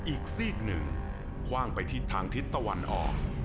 อีกซีกหนึ่งคว่างไปทิศทางทิศตะวันออก